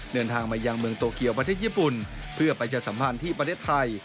เดินทางมายังเมืองโตเกียวประเทศญี่ปุ่นเพื่อไปจะสัมพันธ์ที่ประเทศไทย